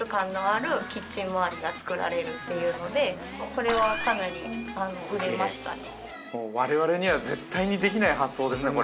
これはかなり売れましたね。